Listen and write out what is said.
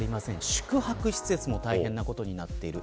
宿泊施設も大変なことになっています。